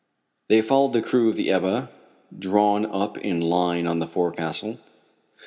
They found the crew of the Ebba drawn up in line on the forecastle.